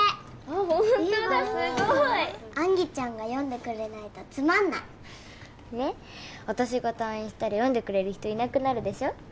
ホントだすごい・杏里ちゃんが読んでくれないとつまんないねっ私が退院したら読んでくれる人いなくなるでしょ？